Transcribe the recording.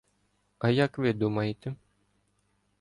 — А як ви думаєте?